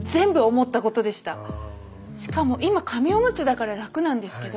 しかも今紙オムツだから楽なんですけど。